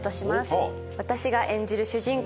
私が演じる主人公